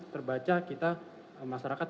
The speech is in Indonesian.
terbaca kita masyarakat